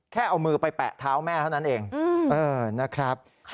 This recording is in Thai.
แค่เอามือไปแปะเท้าแม่เท่านั้นเองนะครับ